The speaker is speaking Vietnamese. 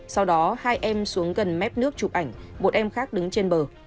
sau đó hai em xuống gần mép nước chụp ảnh một em khác đứng trên bờ